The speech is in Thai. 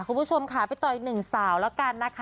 คุณผู้ชมค่ะไปต่ออีกหนึ่งสาวแล้วกันนะคะ